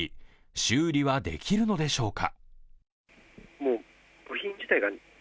修理はできるのでしょうか。